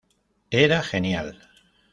Era genial.